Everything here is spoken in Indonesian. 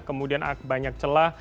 kemudian banyak celah